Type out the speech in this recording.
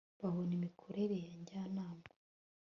babona imikorere ya njyanama